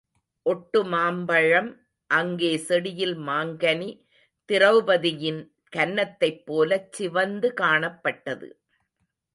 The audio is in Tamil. ஒட்டு மாம் பழம் அங்கே செடியில் மாங்கனி திரெளபதியின் கன்னத்தைப் போலச் சிவந்துகாணப் பட்டது.